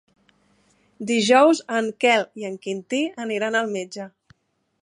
Dijous en Quel i en Quintí aniran al metge.